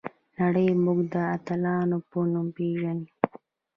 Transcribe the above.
نړۍ موږ د اتلانو په نوم پیژني.